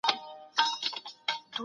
پلی تګ د بدن روغتیا ته ګټه رسوي.